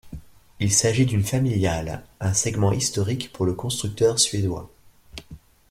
Il s'agit d'une familiale, un segment historique pour le constructeur suédois.